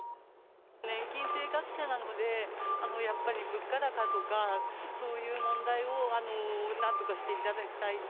年金生活者なので、やっぱり物価高とか、そういう問題をなんとかしていただきたい。